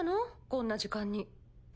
こんな時間に。